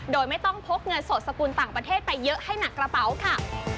โดยไม่ต้องพกเงินสดสกุลต่างประเทศไปเยอะให้หนักกระเป๋าค่ะ